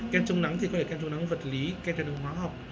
kem chống nắng thì có thể kem chống nắng vật lý kem chống nắng hóa học